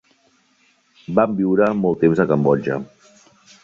Va viure molts temps a Cambodja.